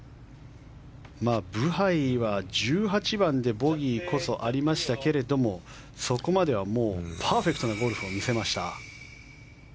ブハイは１８番でボギーこそありましたけれどもそこまではパーフェクトなゴルフを見せました。